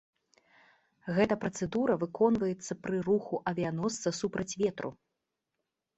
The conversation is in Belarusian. Гэта працэдура выконваецца пры руху авіяносца супраць ветру.